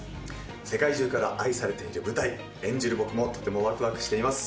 世界中から愛されている舞台演じる僕もとてもワクワクしています